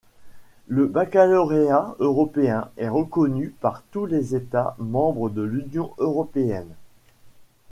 Le baccalauréat européen est reconnu par tous les États membres de l'Union européenne.